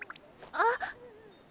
あっ！